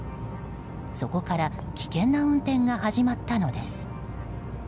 そこから危険な運転が始まったのです。